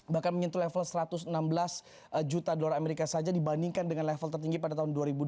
bahkan menyentuh level satu ratus enam belas juta dolar amerika saja dibandingkan dengan level tertinggi pada tahun dua ribu dua puluh